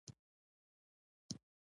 ځینې محصلین د خپل ذهني استعداد لوړوي.